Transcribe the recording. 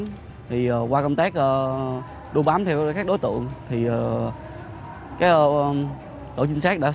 thì qua công tác đu bám theo các đối tượng thì đội trinh sát đã xây dựng